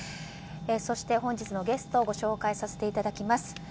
そして、本日のゲストをご紹介させていただきます。